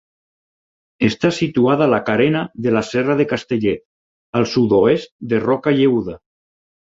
Està situada a la carena de la Serra de Castellet, al sud-oest de Roca Lleuda.